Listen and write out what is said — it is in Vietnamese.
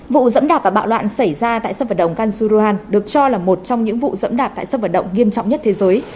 vụ dẫm đạp và bạo loạn xảy ra tại sân vật động canzuroan được cho là một trong những vụ dẫm đạp tại sân vật động nghiêm trọng nhất thế giới